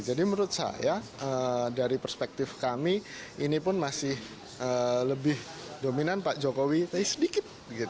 jadi menurut saya dari perspektif kami ini pun masih lebih dominan pak jokowi tapi sedikit